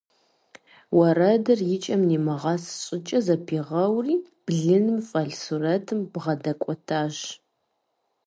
Уэрэдыр и кӀэм нимыгъэс щӀыкӀэ зэпигъэури, блыным фӀэлъ сурэтым бгъэдэкӀуэтащ.